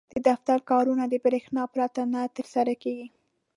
• د دفتر کارونه د برېښنا پرته نه ترسره کېږي.